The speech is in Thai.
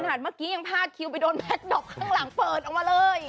เมื่อกี้ยังพาดคิวไปโดนแท็กดอกข้างหลังเปิดออกมาเลย